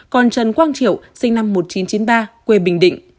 còn trần quang triệu sinh năm một nghìn chín trăm chín mươi ba quê bình định